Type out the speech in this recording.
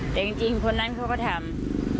แต่จริงคนนั้นเขาก็ทำ